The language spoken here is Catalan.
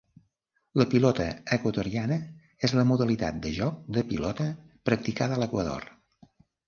La Pilota equatoriana és la modalitat de joc de pilota practicada a l'Equador.